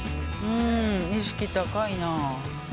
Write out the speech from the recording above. うん意識高いな。